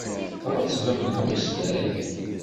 Tɣettbem deg umeslay.